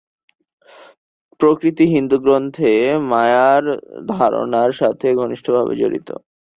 প্রকৃতি হিন্দু গ্রন্থে মায়ার ধারণার সাথে ঘনিষ্ঠভাবে জড়িত।